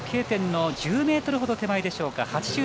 Ｋ点の１０ｍほど手前でしょうか。